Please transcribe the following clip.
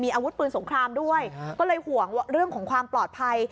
อาวุธปืนสงครามด้วยก็เลยห่วงเรื่องของความปลอดภัย